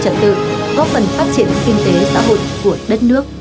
tạo điều kiện để